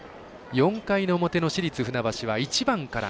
４回の表の市立船橋は１番から。